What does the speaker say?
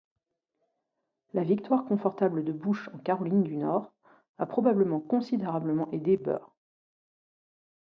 La victoire confortable de Bush en Caroline du Nord a probablement considérablement aidé Burr.